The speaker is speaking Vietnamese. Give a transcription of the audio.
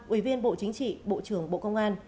ủy viên bộ chính trị bộ trưởng bộ công an